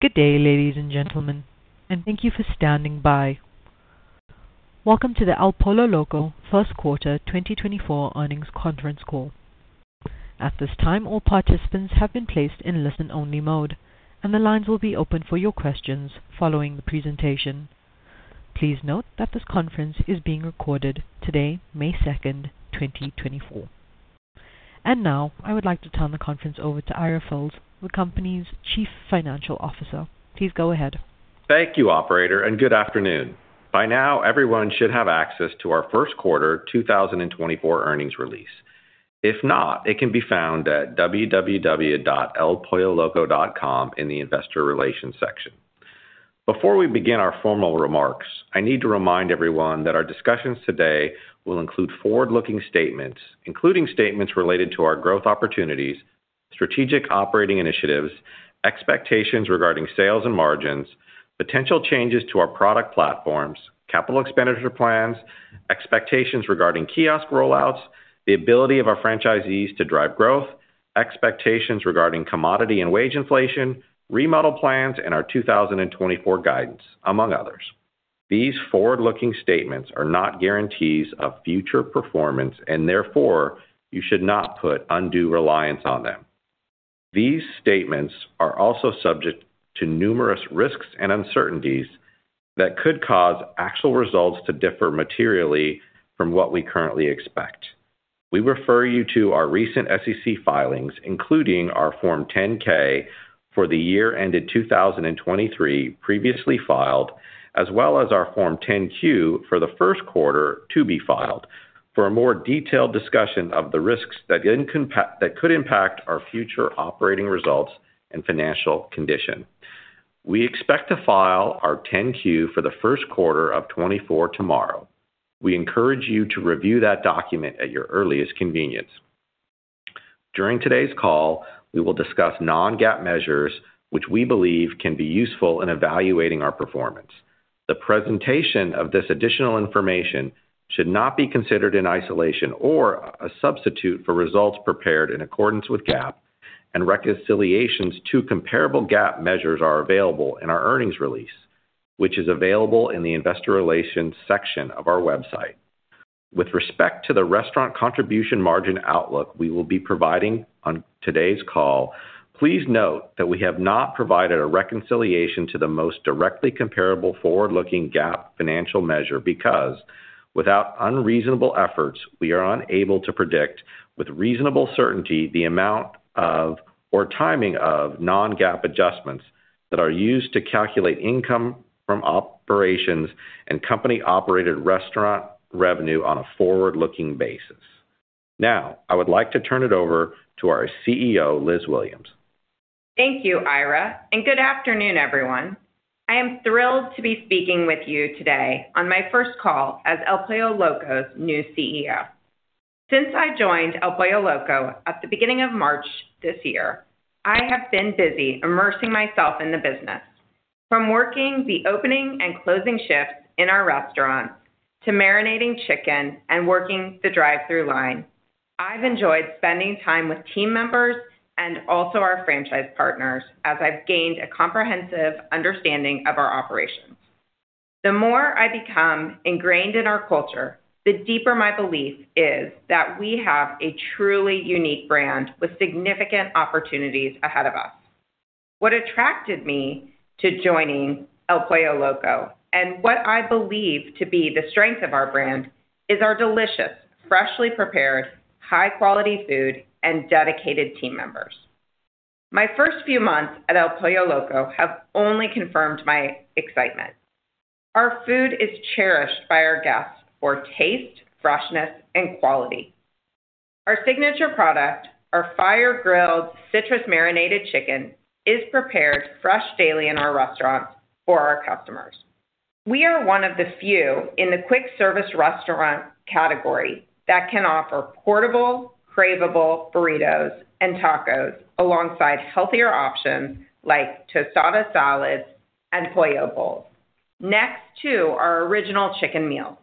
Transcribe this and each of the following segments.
Good day, ladies and gentlemen, and thank you for standing by. Welcome to the El Pollo Loco First Quarter 2024 Earnings Conference Call. At this time, all participants have been placed in listen-only mode, and the lines will be open for your questions following the presentation. Please note that this conference is being recorded today, May 2, 2024. Now, I would like to turn the conference over to Ira Fils, the company's Chief Financial Officer. Please go ahead. Thank you, operator, and good afternoon. By now, everyone should have access to our first quarter 2024 earnings release. If not, it can be found at www.elpolloloco.com in the Investor Relations section. Before we begin our formal remarks, I need to remind everyone that our discussions today will include forward-looking statements, including statements related to our growth opportunities, strategic operating initiatives, expectations regarding sales and margins, potential changes to our product platforms, capital expenditure plans, expectations regarding kiosk rollouts, the ability of our franchisees to drive growth, expectations regarding commodity and wage inflation, remodel plans, and our 2024 guidance, among others. These forward-looking statements are not guarantees of future performance, and therefore you should not put undue reliance on them. These statements are also subject to numerous risks and uncertainties that could cause actual results to differ materially from what we currently expect. We refer you to our recent SEC filings, including our Form 10-K for the year ended 2023, previously filed, as well as our Form 10-Q for the first quarter to be filed, for a more detailed discussion of the risks that could impact our future operating results and financial condition. We expect to file our 10-Q for the first quarter of 2024 tomorrow. We encourage you to review that document at your earliest convenience. During today's call, we will discuss non-GAAP measures, which we believe can be useful in evaluating our performance. The presentation of this additional information should not be considered in isolation or a substitute for results prepared in accordance with GAAP, and reconciliations to comparable GAAP measures are available in our earnings release, which is available in the Investor Relations section of our website. With respect to the restaurant contribution margin outlook we will be providing on today's call, please note that we have not provided a reconciliation to the most directly comparable forward-looking GAAP financial measure because, without unreasonable efforts, we are unable to predict with reasonable certainty the amount of or timing of non-GAAP adjustments that are used to calculate income from operations and company-operated restaurant revenue on a forward-looking basis. Now, I would like to turn it over to our CEO, Liz Williams. Thank you, Ira, and good afternoon, everyone. I am thrilled to be speaking with you today on my first call as El Pollo Loco's new CEO. Since I joined El Pollo Loco at the beginning of March this year, I have been busy immersing myself in the business. From working the opening and closing shifts in our restaurants to marinating chicken and working the drive-thru line, I've enjoyed spending time with team members and also our franchise partners as I've gained a comprehensive understanding of our operations. The more I become ingrained in our culture, the deeper my belief is that we have a truly unique brand with significant opportunities ahead of us. What attracted me to joining El Pollo Loco, and what I believe to be the strength of our brand, is our delicious, freshly prepared, high-quality food and dedicated team members. My first few months at El Pollo Loco have only confirmed my excitement. Our food is cherished by our guests for taste, freshness, and quality. Our signature product, our fire-grilled, citrus-marinated chicken, is prepared fresh daily in our restaurants for our customers. We are one of the few in the quick-service restaurant category that can offer portable, craveable burritos and tacos alongside healthier options like tostada salads and Pollo Bowls next to our original chicken meal.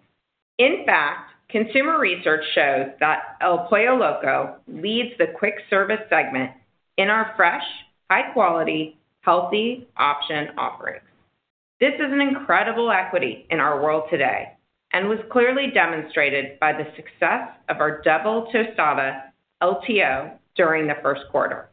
In fact, consumer research shows that El Pollo Loco leads the quick-service segment in our fresh, high quality, healthy option offerings. This is an incredible equity in our world today and was clearly demonstrated by the success of ourDouble Tostada LTO during the first quarter.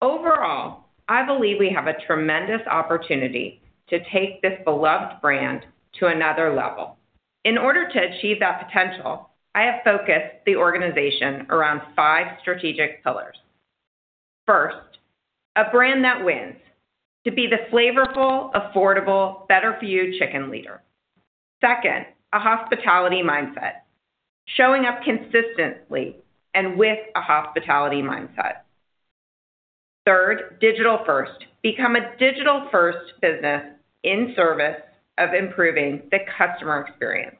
Overall, I believe we have a tremendous opportunity to take this beloved brand to another level. In order to achieve that potential, I have focused the organization around five strategic pillars. First, a brand that wins. To be the flavorful, affordable, better-for-you chicken leader. Second, a hospitality mindset. Showing up consistently and with a hospitality mindset. Third, digital first. Become a digital-first business in service of improving the customer experience.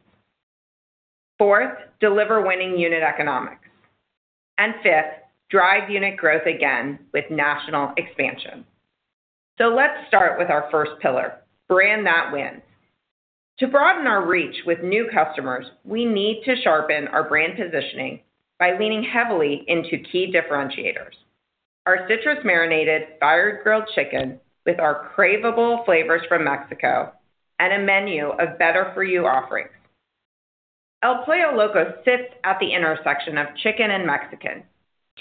Fourth, deliver winning unit economics. And fifth, drive unit growth again with national expansion. So let's start with our first pillar, brand that wins. To broaden our reach with new customers, we need to sharpen our brand positioning by leaning heavily into key differentiators. Our citrus-marinated fire-grilled chicken with our craveable flavors from Mexico, and a menu of better-for-you offerings. El Pollo Loco sits at the intersection of chicken and Mexican,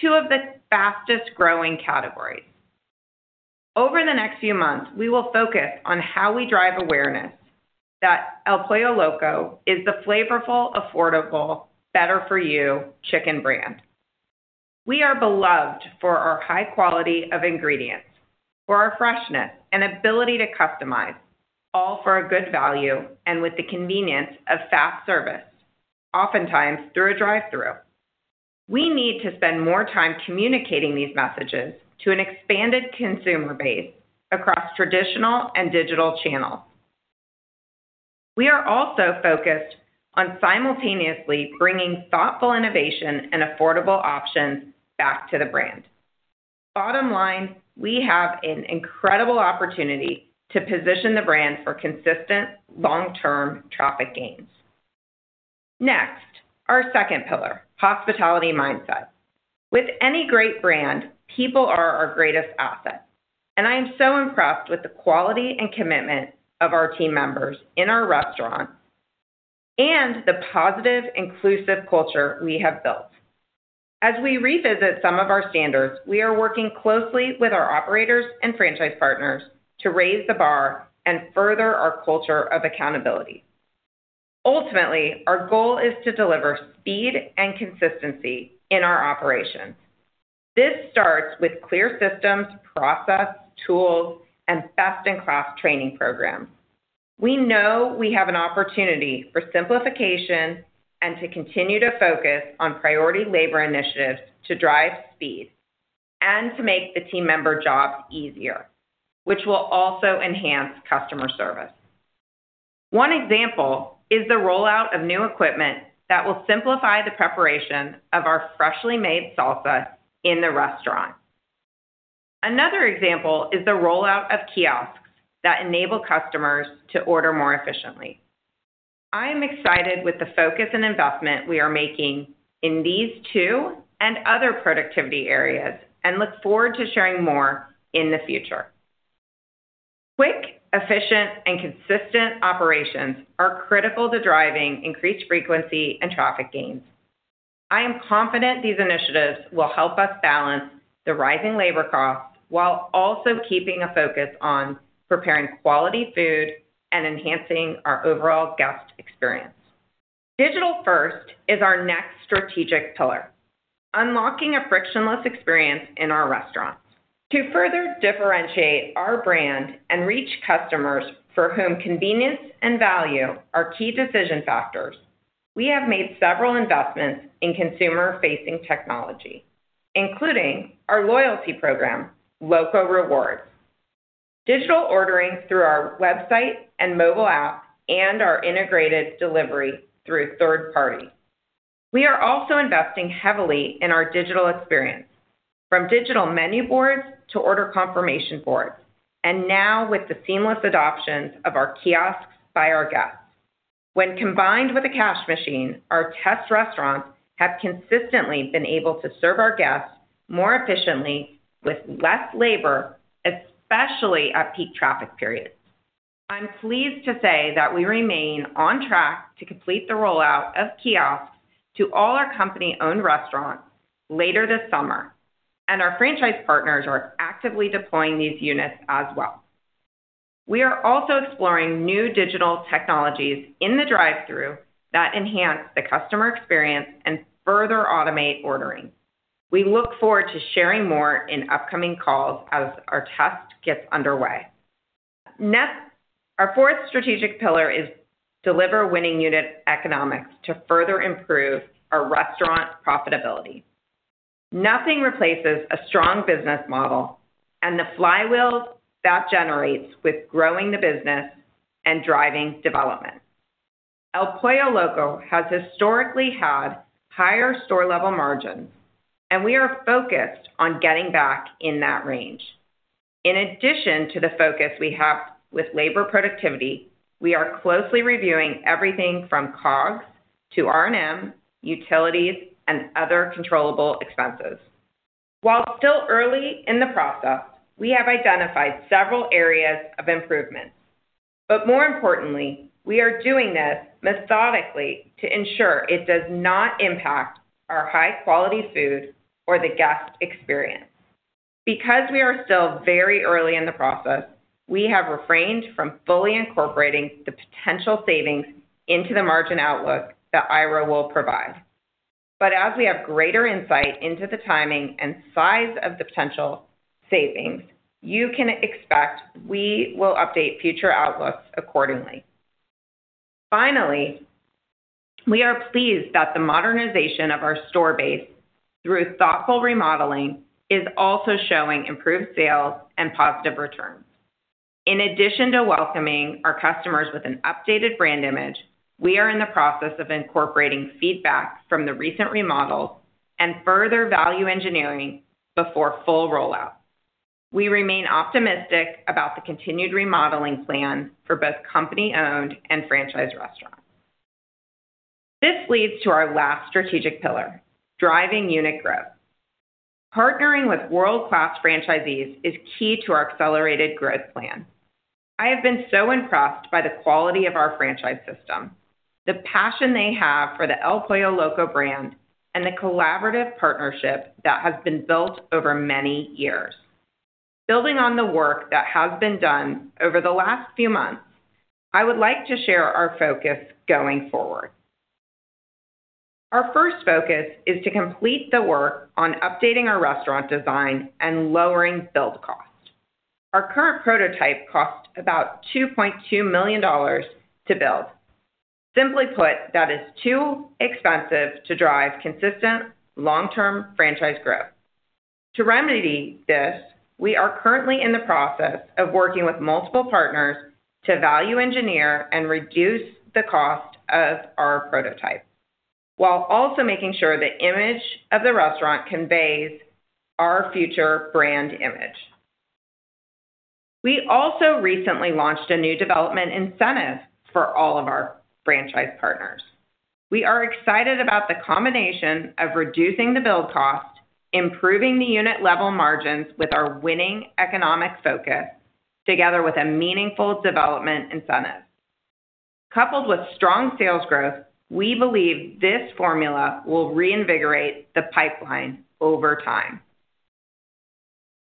two of the fastest growing categories. Over the next few months, we will focus on how we drive awareness that El Pollo Loco is the flavorful, affordable, better-for-you chicken brand. We are beloved for our high quality of ingredients, for our freshness, and ability to customize, all for a good value and with the convenience of fast service, oftentimes through a drive-thru. We need to spend more time communicating these messages to an expanded consumer base across traditional and digital channels. We are also focused on simultaneously bringing thoughtful innovation and affordable options back to the brand. Bottom line, we have an incredible opportunity to position the brand for consistent long-term traffic gains. Next, our second pillar: hospitality mindset. With any great brand, people are our greatest asset, and I am so impressed with the quality and commitment of our team members in our restaurants, and the positive, inclusive culture we have built. As we revisit some of our standards, we are working closely with our operators and franchise partners to raise the bar and further our culture of accountability. Ultimately, our goal is to deliver speed and consistency in our operations. This starts with clear systems, process, tools, and best-in-class training programs. We know we have an opportunity for simplification and to continue to focus on priority labor initiatives to drive speed and to make the team member jobs easier, which will also enhance customer service. One example is the rollout of new equipment that will simplify the preparation of our freshly made salsa in the restaurant. Another example is the rollout of kiosks that enable customers to order more efficiently. I am excited with the focus and investment we are making in these two and other productivity areas, and look forward to sharing more in the future. Quick, efficient, and consistent operations are critical to driving increased frequency and traffic gains. I am confident these initiatives will help us balance the rising labor costs, while also keeping a focus on preparing quality food and enhancing our overall guest experience. Digital first is our next strategic pillar, unlocking a frictionless experience in our restaurants. To further differentiate our brand and reach customers for whom convenience and value are key decision factors, we have made several investments in consumer-facing technology, including our loyalty program, Loco Rewards, digital ordering through our website and mobile app, and our integrated delivery through third party. We are also investing heavily in our digital experience, from digital menu boards to order confirmation boards, and now with the seamless adoption of our kiosks by our guests. When combined with a cash machine, our test restaurants have consistently been able to serve our guests more efficiently with less labor, especially at peak traffic periods. I'm pleased to say that we remain on track to complete the rollout of kiosks to all our company-owned restaurants later this summer, and our franchise partners are actively deploying these units as well. We are also exploring new digital technologies in the drive-thru that enhance the customer experience and further automate ordering. We look forward to sharing more in upcoming calls as our test gets underway. Next, our fourth strategic pillar is deliver winning unit economics to further improve our restaurant profitability. Nothing replaces a strong business model and the flywheel that generates with growing the business and driving development. El Pollo Loco has historically had higher store-level margins, and we are focused on getting back in that range. In addition to the focus we have with labor productivity, we are closely reviewing everything from COGS to R&M, utilities, and other controllable expenses. While still early in the process, we have identified several areas of improvement, but more importantly, we are doing this methodically to ensure it does not impact our high-quality food or the guest experience. Because we are still very early in the process, we have refrained from fully incorporating the potential savings into the margin outlook that Ira will provide. But as we have greater insight into the timing and size of the potential savings, you can expect we will update future outlooks accordingly. Finally, we are pleased that the modernization of our store base through thoughtful remodeling is also showing improved sales and positive returns. In addition to welcoming our customers with an updated brand image, we are in the process of incorporating feedback from the recent remodels and further value engineering before full rollout. We remain optimistic about the continued remodeling plan for both company-owned and franchise restaurants. This leads to our last strategic pillar: driving unit growth. Partnering with world-class franchisees is key to our accelerated growth plan. I have been so impressed by the quality of our franchise system, the passion they have for the El Pollo Loco brand, and the collaborative partnership that has been built over many years. Building on the work that has been done over the last few months, I would like to share our focus going forward. Our first focus is to complete the work on updating our restaurant design and lowering build cost. Our current prototype costs about $2.2 million to build. Simply put, that is too expensive to drive consistent long-term franchise growth. To remedy this, we are currently in the process of working with multiple partners to value engineer and reduce the cost of our prototype, while also making sure the image of the restaurant conveys our future brand image. We also recently launched a new development incentive for all of our franchise partners. We are excited about the combination of reducing the build cost, improving the unit level margins with our winning economic focus, together with a meaningful development incentive. Coupled with strong sales growth, we believe this formula will reinvigorate the pipeline over time.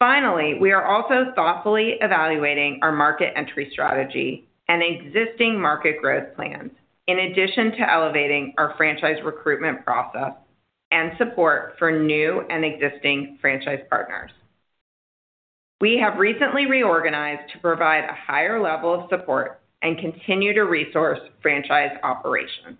Finally, we are also thoughtfully evaluating our market entry strategy and existing market growth plans, in addition to elevating our franchise recruitment process and support for new and existing franchise partners. We have recently reorganized to provide a higher level of support and continue to resource franchise operations.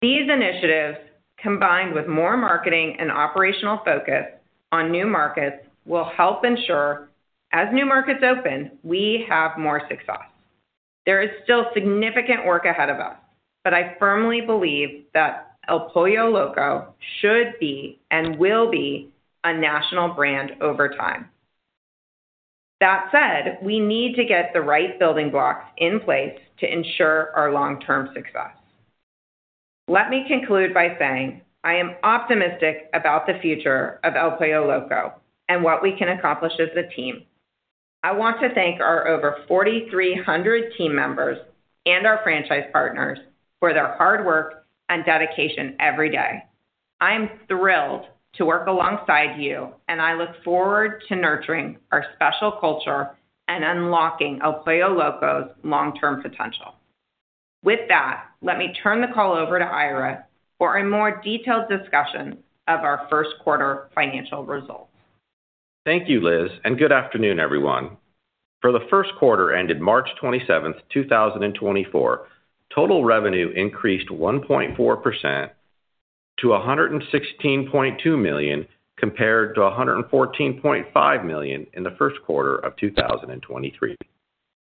These initiatives, combined with more marketing and operational focus on new markets, will help ensure, as new markets open, we have more success. There is still significant work ahead of us, but I firmly believe that El Pollo Loco should be and will be a national brand over time. That said, we need to get the right building blocks in place to ensure our long-term success. Let me conclude by saying I am optimistic about the future of El Pollo Loco and what we can accomplish as a team. I want to thank our over 4,300 team members and our franchise partners for their hard work and dedication every day. I'm thrilled to work alongside you, and I look forward to nurturing our special culture and unlocking El Pollo Loco's long-term potential. With that, let me turn the call over to Ira for a more detailed discussion of our first quarter financial results. Thank you, Liz, and good afternoon, everyone. For the first quarter ended March 27, 2024, total revenue increased 1.4% to $116.2 million, compared to $114.5 million in the first quarter of 2023.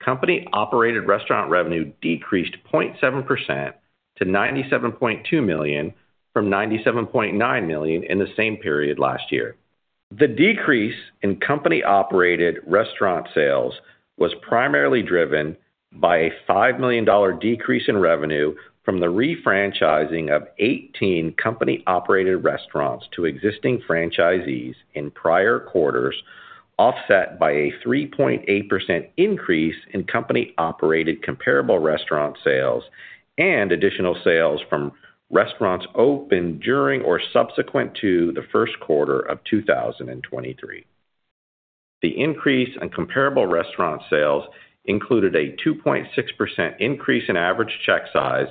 Company-operated restaurant revenue decreased 0.7% to $97.2 million, from $97.9 million in the same period last year. The decrease in company-operated restaurant sales was primarily driven by a $5 million decrease in revenue from the refranchising of 18 company-operated restaurants to existing franchisees in prior quarters, offset by a 3.8% increase in company-operated comparable restaurant sales and additional sales from restaurants opened during or subsequent to the first quarter of 2023. The increase in comparable restaurant sales included a 2.6% increase in average check size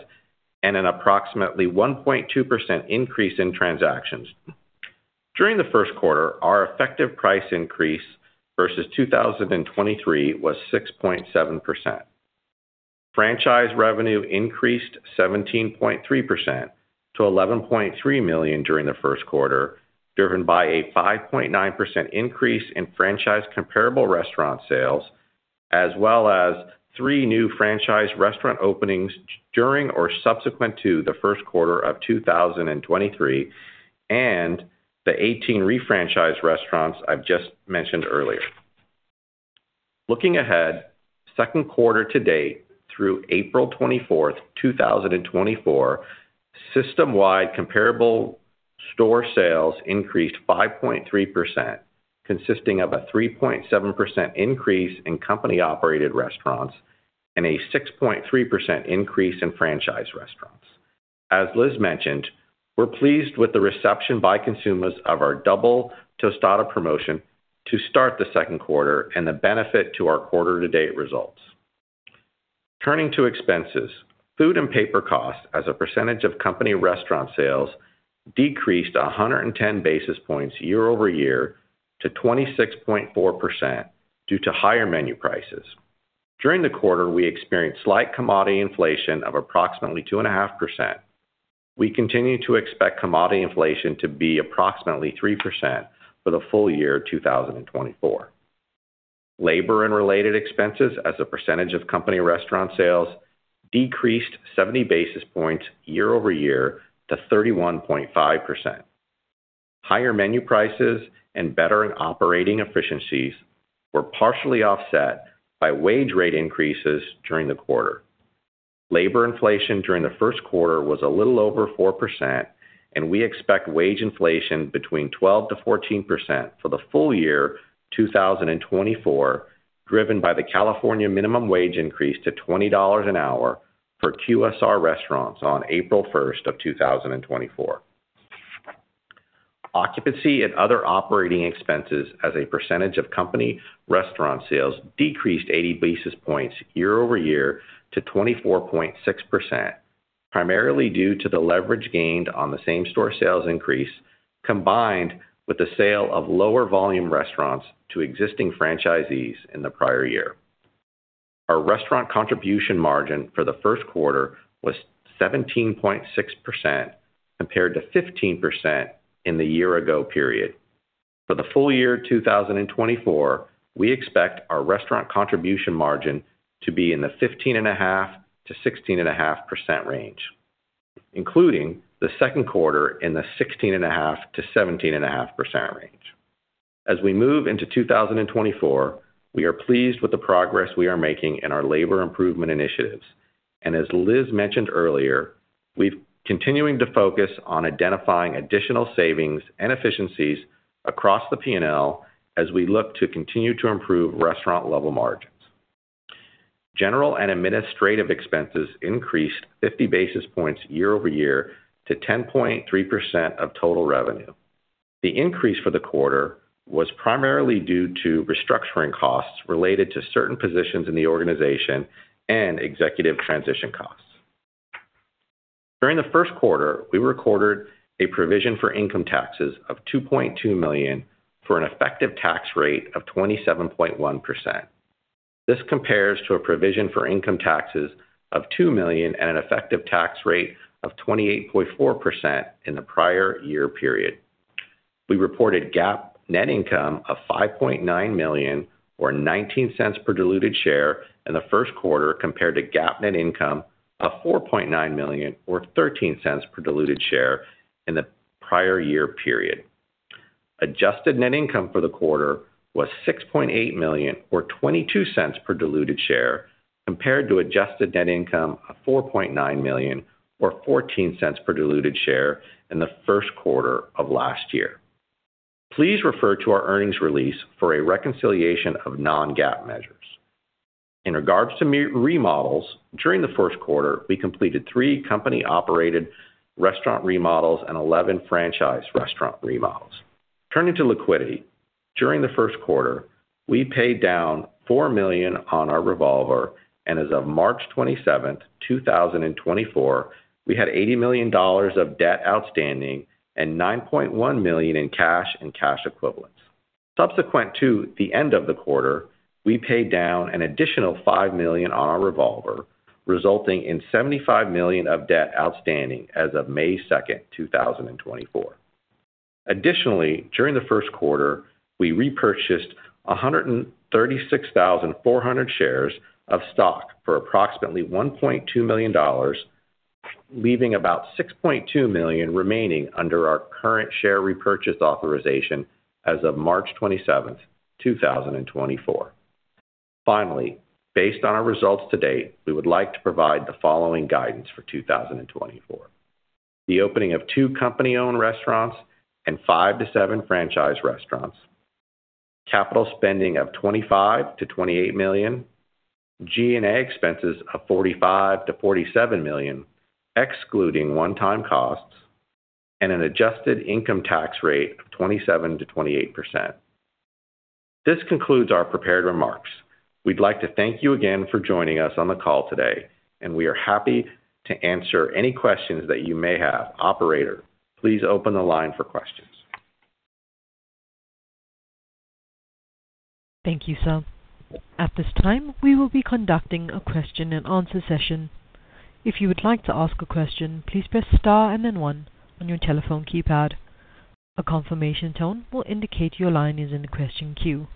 and an approximately 1.2% increase in transactions. During the first quarter, our effective price increase versus 2023 was 6.7%. Franchise revenue increased 17.3% to $11.3 million during the first quarter, driven by a 5.9% increase in franchise comparable restaurant sales, as well as 3 new franchise restaurant openings during or subsequent to the first quarter of 2023, and the 18 refranchised restaurants I've just mentioned earlier. Looking ahead, second quarter to date, through April 24, 2024, system-wide comparable store sales increased 5.3%, consisting of a 3.7% increase in company-operated restaurants and a 6.3% increase in franchise restaurants. As Liz mentioned, we're pleased with the reception by consumers of our double tostada promotion to start the second quarter and the benefit to our quarter-to-date results. Turning to expenses. Food and paper costs as a percentage of company restaurant sales decreased 110 basis points year-over-year to 26.4% due to higher menu prices. During the quarter, we experienced slight commodity inflation of approximately 2.5%. We continue to expect commodity inflation to be approximately 3% for the full year 2024. Labor and related expenses as a percentage of company restaurant sales decreased 70 basis points year-over-year to 31.5%. Higher menu prices and better operating efficiencies were partially offset by wage rate increases during the quarter. Labor inflation during the first quarter was a little over 4%, and we expect wage inflation between 12%-14% for the full year 2024, driven by the California minimum wage increase to $20 an hour for QSR restaurants on April 1, 2024. Occupancy and other operating expenses as a percentage of company restaurant sales decreased 80 basis points year-over-year to 24.6%, primarily due to the leverage gained on the same-store sales increase, combined with the sale of lower volume restaurants to existing franchisees in the prior year. Our restaurant contribution margin for the first quarter was 17.6%, compared to 15% in the year ago period. For the full year 2024, we expect our restaurant contribution margin to be in the 15.5%-16.5% range, including the second quarter in the 16.5%-17.5% range. As we move into 2024, we are pleased with the progress we are making in our labor improvement initiatives. As Liz mentioned earlier, we've continuing to focus on identifying additional savings and efficiencies across the P&L as we look to continue to improve restaurant level margins. General and administrative expenses increased 50 basis points year-over-year to 10.3% of total revenue. The increase for the quarter was primarily due to restructuring costs related to certain positions in the organization and executive transition costs. During the first quarter, we recorded a provision for income taxes of $2.2 million, for an effective tax rate of 27.1%. This compares to a provision for income taxes of $2 million and an effective tax rate of 28.4% in the prior year period. We reported GAAP net income of $5.9 million, or $0.19 per diluted share in the first quarter, compared to GAAP net income of $4.9 million, or $0.13 per diluted share in the prior year period. Adjusted net income for the quarter was $6.8 million, or $0.22 per diluted share, compared to adjusted net income of $4.9 million, or $0.14 per diluted share in the first quarter of last year. Please refer to our earnings release for a reconciliation of non-GAAP measures. In regards to remodels, during the first quarter, we completed 3 company-operated restaurant remodels and 11 franchise restaurant remodels. Turning to liquidity, during the first quarter, we paid down $4 million on our revolver, and as of March 27, 2024, we had $80 million of debt outstanding and $9.1 million in cash and cash equivalents. Subsequent to the end of the quarter, we paid down an additional $5 million on our revolver, resulting in $75 million of debt outstanding as of May 2, 2024. Additionally, during the first quarter, we repurchased 136,400 shares of stock for approximately $1.2 million, leaving about $6.2 million remaining under our current share repurchase authorization as of March 27, 2024. Finally, based on our results to date, we would like to provide the following guidance for 2024: the opening of 2 company-owned restaurants and 5-7 franchise restaurants, capital spending of $25 million-$28 million, G&A expenses of $45 million-$47 million, excluding one-time costs, and an adjusted income tax rate of 27%-28%. This concludes our prepared remarks. We'd like to thank you again for joining us on the call today, and we are happy to answer any questions that you may have. Operator, please open the line for questions. Thank you, sir. At this time, we will be conducting a question-and-answer session. If you would like to ask a question, please press star and then one on your telephone keypad. A confirmation tone will indicate your line is in the question queue.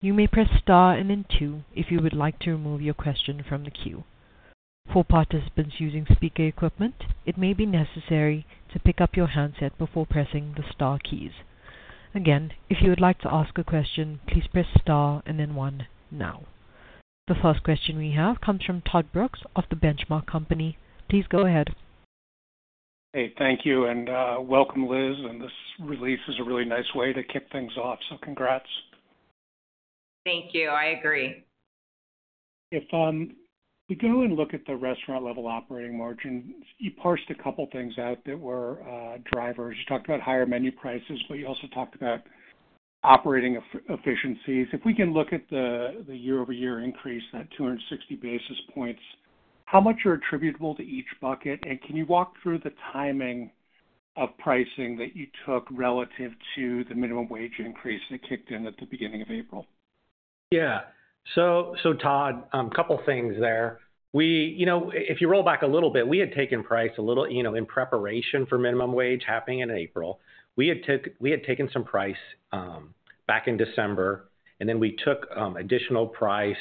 You may press star and then two if you would like to remove your question from the queue. For participants using speaker equipment, it may be necessary to pick up your handset before pressing the star keys. Again, if you would like to ask a question, please press star and then one now. The first question we have comes from Todd Brooks of The Benchmark Company. Please go ahead. Hey, thank you, and welcome, Liz. This release is a really nice way to kick things off, so congrats. Thank you. I agree. If you go and look at the restaurant level operating margin, you parsed a couple things out that were drivers. You talked about higher menu prices, but you also talked about operating efficiencies. If we can look at the year-over-year increase, that 260 basis points, how much are attributable to each bucket? And can you walk through the timing of pricing that you took relative to the minimum wage increase that kicked in at the beginning of April?... So, so Todd, couple things there. We, you know, if you roll back a little bit, we had taken price a little, you know, in preparation for minimum wage happening in April. We had taken some price back in December, and then we took additional price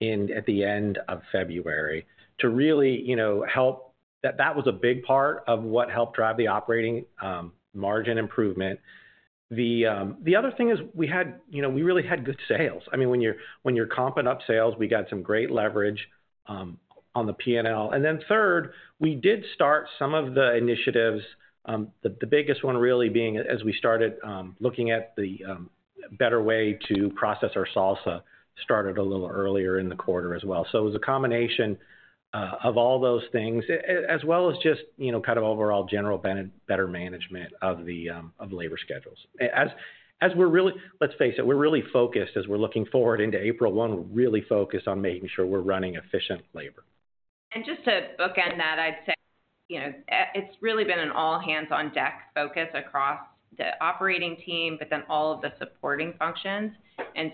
in at the end of February to really, you know, help that was a big part of what helped drive the operating margin improvement. The other thing is we had, you know, we really had good sales. I mean, when you're, when you're comping up sales, we got some great leverage on the P&L. And then third, we did start some of the initiatives, the biggest one really being as we started looking at the better way to process our salsa, started a little earlier in the quarter as well. So it was a combination of all those things, as well as just, you know, kind of overall general better management of the labor schedules. As we're really - let's face it, we're really focused as we're looking forward into April 1, we're really focused on making sure we're running efficient labor. Just to bookend that, I'd say, you know, it's really been an all hands on deck focus across the operating team, but then all of the supporting functions.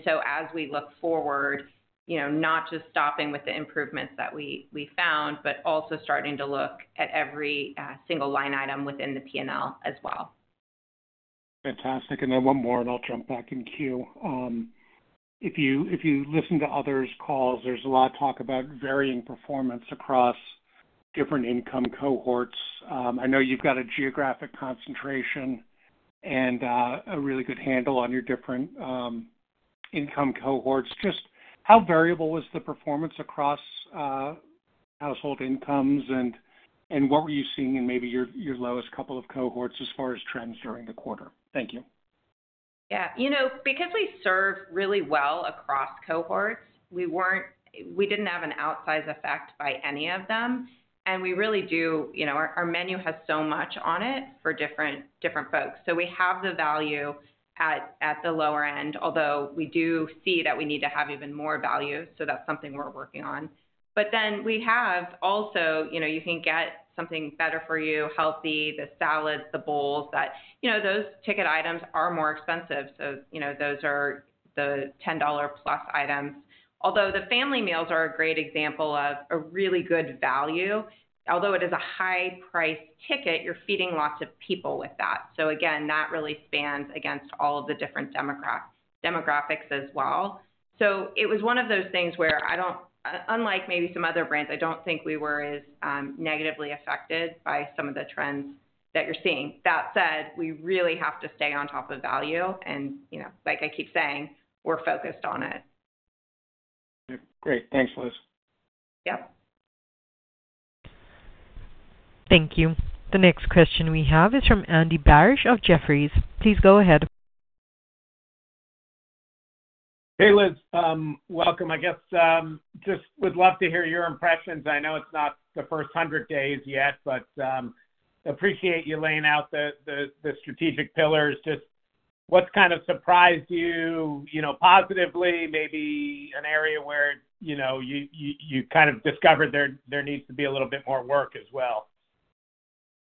So as we look forward, you know, not just stopping with the improvements that we, we found, but also starting to look at every, single line item within the P&L as well. Fantastic. And then one more, and I'll jump back in queue. If you, if you listen to others' calls, there's a lot of talk about varying performance across different income cohorts. I know you've got a geographic concentration and, a really good handle on your different, income cohorts. Just how variable was the performance across, household incomes, and, and what were you seeing in maybe your, your lowest couple of cohorts as far as trends during the quarter? Thank you. Yeah. You know, because we serve really well across cohorts, we weren't, we didn't have an outsized effect by any of them, and we really do. You know, our, our menu has so much on it for different, different folks. So we have the value at, at the lower end, although we do see that we need to have even more value, so that's something we're working on. But then we have also, you know, you can get something better for you, healthy, the salads, the bowls, that, you know, those ticket items are more expensive. So, you know, those are the $10-plus items. Although the family meals are a great example of a really good value. Although it is a high price ticket, you're feeding lots of people with that. So again, that really spans against all of the different demographics as well. So it was one of those things where I don't, unlike maybe some other brands, I don't think we were as negatively affected by some of the trends that you're seeing. That said, we really have to stay on top of value, and, you know, like I keep saying, we're focused on it. Great. Thanks, Liz. Yep. Thank you. The next question we have is from Andy Barish of Jefferies. Please go ahead. Hey, Liz, welcome. I guess, just would love to hear your impressions. I know it's not the first 100 days yet, but, appreciate you laying out the strategic pillars. Just what's kind of surprised you, you know, positively, maybe an area where, you know, you kind of discovered there needs to be a little bit more work as well?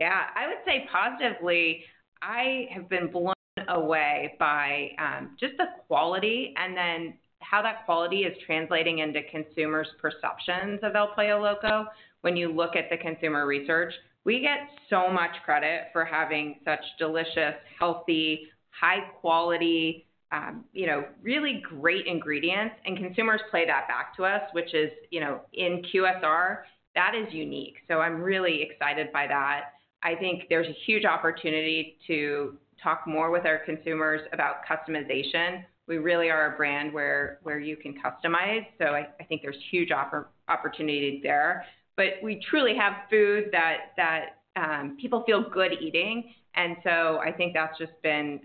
Yeah. I would say positively, I have been blown away by just the quality and then how that quality is translating into consumers' perceptions of El Pollo Loco. When you look at the consumer research, we get so much credit for having such delicious, healthy, high quality, you know, really great ingredients, and consumers play that back to us, which is, you know, in QSR, that is unique. So I'm really excited by that. I think there's a huge opportunity to talk more with our consumers about customization. We really are a brand where you can customize, so I think there's huge opportunity there. But we truly have food that people feel good eating, and so I think that's just been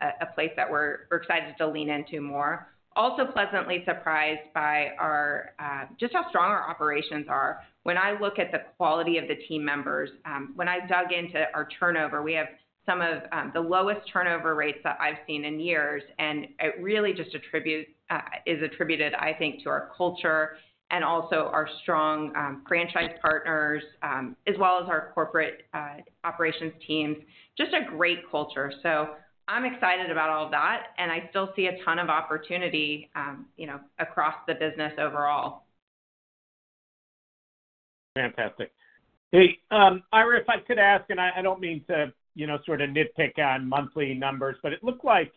a place that we're excited to lean into more. Also pleasantly surprised by our, just how strong our operations are. When I look at the quality of the team members, when I dug into our turnover, we have some of, the lowest turnover rates that I've seen in years, and it really just is attributed, I think, to our culture and also our strong, franchise partners, as well as our corporate, operations teams. Just a great culture. So I'm excited about all of that, and I still see a ton of opportunity, you know, across the business overall. Fantastic. Hey, Ira, if I could ask, and I don't mean to, you know, sort of nitpick on monthly numbers, but it looked like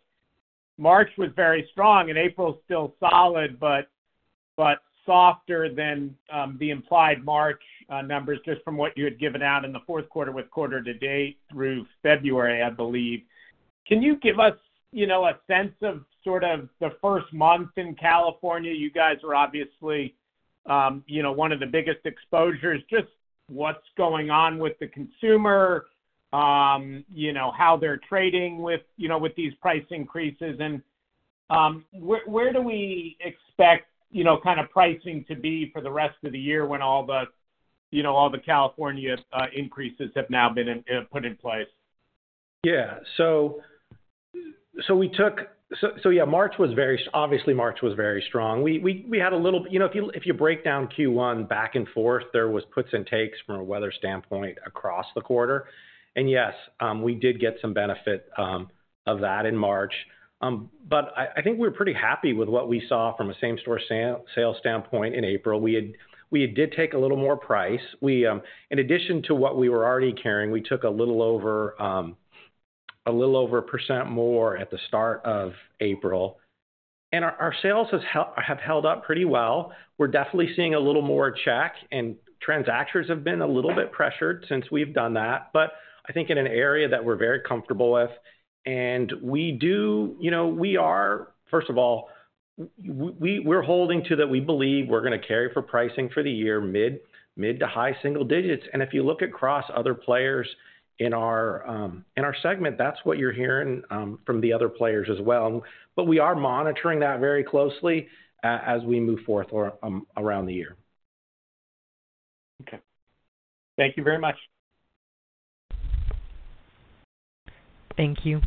March was very strong and April is still solid, but softer than the implied March numbers, just from what you had given out in the fourth quarter with quarter to date through February, I believe. Can you give us, you know, a sense of sort of the first month in California? You guys are obviously, you know, one of the biggest exposures. Just what's going on with the consumer, you know, how they're trading with, you know, with these price increases? And, where do we expect, you know, kind of pricing to be for the rest of the year when all the, you know, all the California increases have now been put in place? Yeah. So yeah, March was very strong, obviously. We had a little. You know, if you break down Q1 back and forth, there was puts and takes from a weather standpoint across the quarter. And yes, we did get some benefit of that in March. But I think we're pretty happy with what we saw from a same-store sales standpoint in April. We did take a little more price. We, in addition to what we were already carrying, took a little over 1% more at the start of April. And our sales have held up pretty well. We're definitely seeing a little more check, and transactions have been a little bit pressured since we've done that, but I think in an area that we're very comfortable with. And we do. You know, we are, first of all, we're holding to that we believe we're going to carry for pricing for the year, mid- to high-single digits. And if you look across other players in our segment, that's what you're hearing from the other players as well. But we are monitoring that very closely as we move forth or around the year. Okay. Thank you very much. Thank you.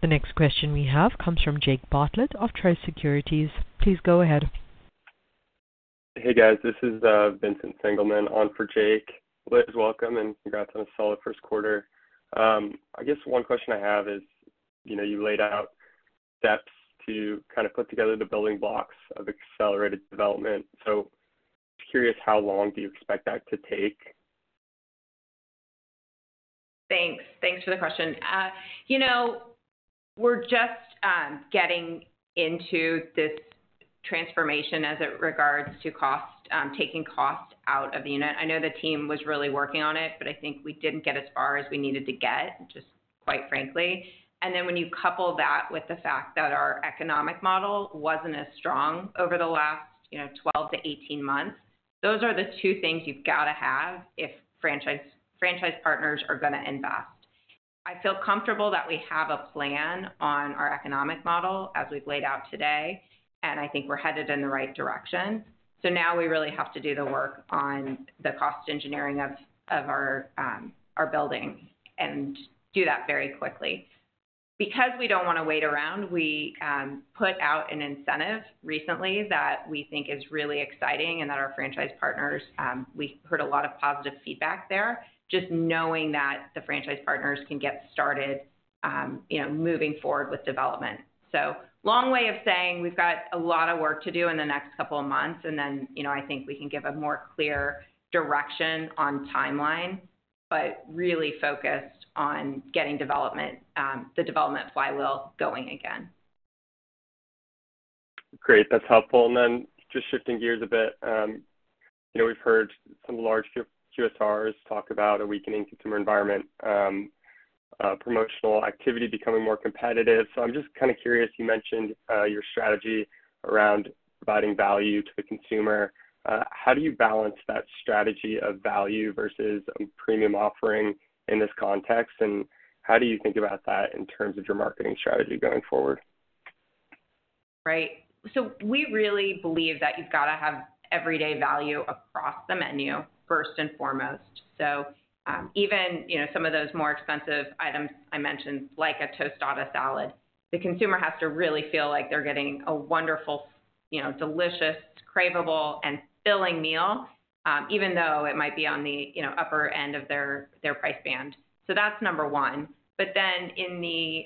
The next question we have comes from Jake Bartlett of Truist Securities. Please go ahead. Hey, guys, this is Vincent Sengelmann, on for Jake. Liz, welcome, and congrats on a solid first quarter. I guess one question I have is, you know, you laid out steps to kind of put together the building blocks of accelerated development. So curious, how long do you expect that to take? Thanks. Thanks for the question. You know, we're just getting into this transformation as it regards to cost, taking cost out of the unit. I know the team was really working on it, but I think we didn't get as far as we needed to get, just quite frankly. And then when you couple that with the fact that our economic model wasn't as strong over the last, you know, 12-18 months, those are the two things you've got to have if franchise, franchise partners are going to invest. I feel comfortable that we have a plan on our economic model as we've laid out today, and I think we're headed in the right direction. So now we really have to do the work on the cost engineering of our building and do that very quickly. Because we don't want to wait around, we put out an incentive recently that we think is really exciting and that our franchise partners, we heard a lot of positive feedback there, just knowing that the franchise partners can get started, you know, moving forward with development. So long way of saying we've got a lot of work to do in the next couple of months, and then, you know, I think we can give a more clear direction on timeline, but really focused on getting development, the development flywheel going again. Great, that's helpful. And then just shifting gears a bit, you know, we've heard some large QSRs talk about a weakening consumer environment, promotional activity becoming more competitive. So I'm just kind of curious, you mentioned your strategy around providing value to the consumer. How do you balance that strategy of value versus a premium offering in this context? And how do you think about that in terms of your marketing strategy going forward? Right. So we really believe that you've got to have everyday value across the menu, first and foremost. So, even, you know, some of those more expensive items I mentioned, like a tostada salad, the consumer has to really feel like they're getting a wonderful, you know, delicious, craveable, and filling meal, even though it might be on the, you know, upper end of their, their price band. So that's number one. But then in the,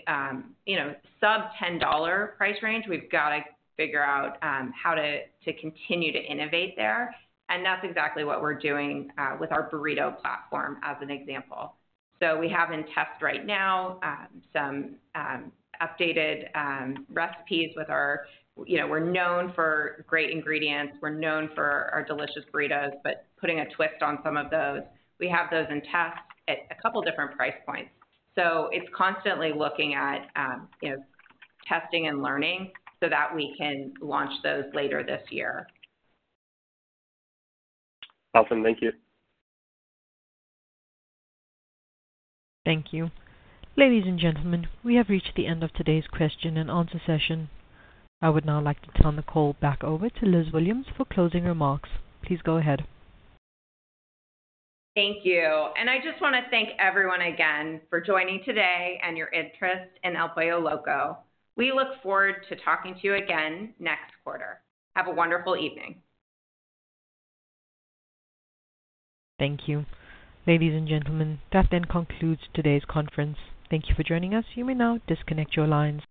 you know, sub-$10 price range, we've got to figure out, how to, to continue to innovate there, and that's exactly what we're doing, with our burrito platform, as an example. So we have in test right now, some, updated, recipes with our. You know, we're known for great ingredients, we're known for our delicious burritos, but putting a twist on some of those. We have those in test at a couple different price points. So it's constantly looking at, you know, testing and learning so that we can launch those later this year. Awesome. Thank you. Thank you. Ladies and gentlemen, we have reached the end of today's question and answer session. I would now like to turn the call back over to Liz Williams for closing remarks. Please go ahead. Thank you. I just want to thank everyone again for joining today and your interest in El Pollo Loco. We look forward to talking to you again next quarter. Have a wonderful evening. Thank you. Ladies and gentlemen, that then concludes today's conference. Thank you for joining us. You may now disconnect your lines.